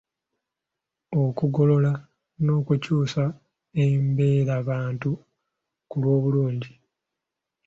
Okugogola n’okukyusa embeerabantu ku lw’obulungi.